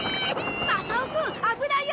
マサオくん危ないよ！